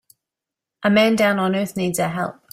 A man down on earth needs our help.